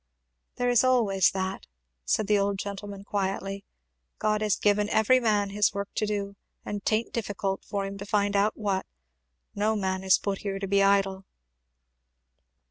"There is always that," said the old gentleman quietly. "God has given every man his work to do; and 'tain't difficult for him to find out what. No man is put here to be idle."